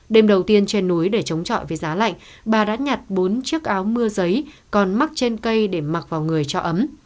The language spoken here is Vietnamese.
đêm đầu tiên trên núi để chống trọi với giá lạnh bà đã nhặt bốn chiếc áo mưa giấy còn mắc trên cây để mặc vào người cho ấm